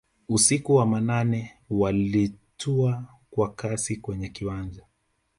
usiku wa manane Walitua kwa kasi kwenye kiwanja